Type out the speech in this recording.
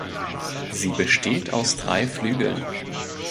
Sie besteht aus drei Flügeln.